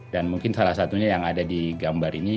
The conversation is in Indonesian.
dan mungkin salah satunya yang ada di gambar ini